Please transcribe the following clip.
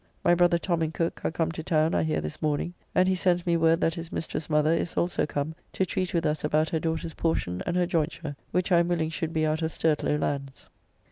My brother Tom and Cooke are come to town I hear this morning, and he sends me word that his mistress's mother is also come to treat with us about her daughter's portion and her jointure, which I am willing should be out of Sturtlow lands.